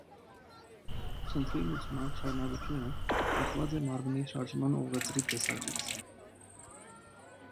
Խնդրի լուծման շարունակությունը կախված է մարմնի շարժման ուղեծրի տեսակից։